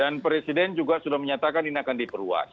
dan presiden juga sudah menyatakan ini akan diperluas